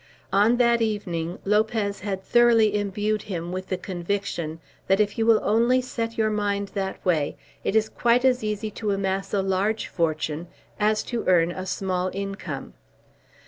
On that evening Lopez had thoroughly imbued him with the conviction that if you will only set your mind that way, it is quite as easy to amass a large fortune as to earn a small income.